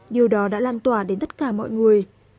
điều đó đã lan tỏa đến tất cả mọi người